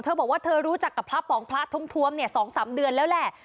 บอกว่าเธอรู้จักกับพระป๋องพระท้วมเนี่ย๒๓เดือนแล้วแหละ